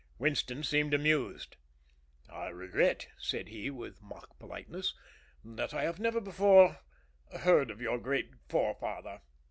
Winston seemed amused. "I regret," said he, with mock politeness, "that I have never before heard of your great forefather."